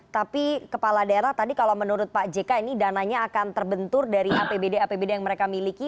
tapi kepala daerah tadi kalau menurut pak jk ini dananya akan terbentur dari apbd apbd yang mereka miliki